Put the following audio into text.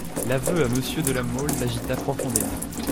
L'aveu à Monsieur de La Mole l'agita profondément.